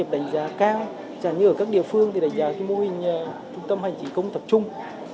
chẳng hạn như vấn đề về mô hình trung tâm hành trình công tập trung